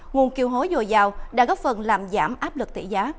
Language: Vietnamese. nguồn kiều hối dồi dào đã góp phần làm giảm áp lực tỷ giá